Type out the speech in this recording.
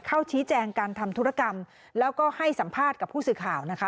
ชี้แจงการทำธุรกรรมแล้วก็ให้สัมภาษณ์กับผู้สื่อข่าวนะคะ